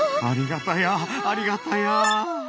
ありがたやありがたや！